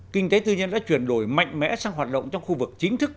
kinh tế tư nhân đã chuyển đổi mạnh mẽ sang hoạt động trong khu vực chính thức